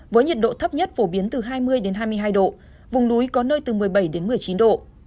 với nhiệt độ thấp nhất phổ biến từ hai mươi hai mươi hai độ vùng núi có nơi từ một mươi bảy đến một mươi chín độ